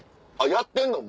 やってんの？